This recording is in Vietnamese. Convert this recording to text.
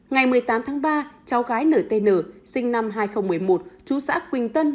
ngày một mươi tám tháng ba cháu gái nở tên nở sinh năm hai nghìn một mươi một chú xã quỳnh tân